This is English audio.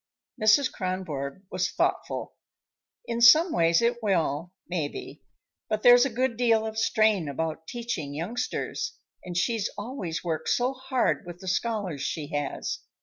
Mrs. Kronborg was thoughtful. "In some ways it will, maybe. But there's a good deal of strain about teaching youngsters, and she's always worked so hard with the scholars she has.